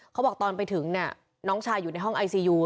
เขาบอกตอนไปถึงน้องชายอยู่ในห้องไอซียู